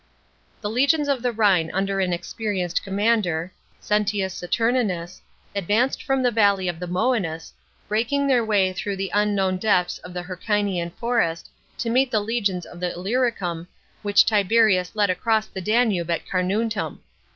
The legions of the Rhine under an experienced commander, On. Sentius Saturninus, advanced from the valley of the Mcenus, breaking their way through the unknown depths of the Hercynian Forest, to meet the legions of Illyricum, which Tiberius led across the Danube at Carnuntum.